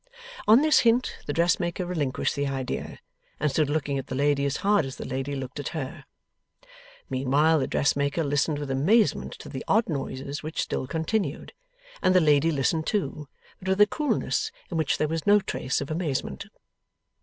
On this hint, the dressmaker relinquished the idea, and stood looking at the lady as hard as the lady looked at her. Meanwhile the dressmaker listened with amazement to the odd noises which still continued, and the lady listened too, but with a coolness in which there was no trace of amazement.